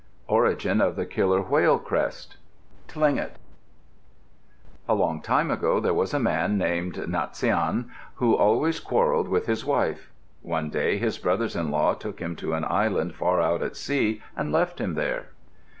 ORIGIN OF THE KILLER WHALE CREST Tlingit A long time ago there was a man named Natsiane who always quarrelled with his wife. One day his brothers in law took him to an island far out at sea and left him there.